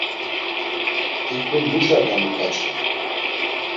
Hiǩu muşa gamuǩaçam.